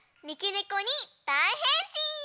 ねこにだいへんしん！